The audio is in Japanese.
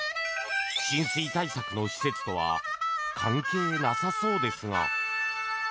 浸水対策の施設とは関係なさそうですが。